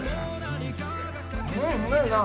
うんうめえな。